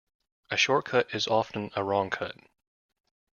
A short cut is often a wrong cut.